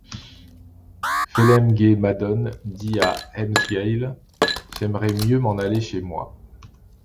Phelem-ghe-madone dit à Helmsgail: — J’aimerais mieux m’en aller chez moi.